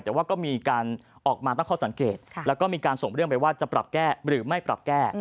แต่ว่าก็มีการออกมาตั้งข้อสังเกตแล้วก็มีการส่งเรื่องไปว่าจะปรับแก้หรือไม่ปรับแก้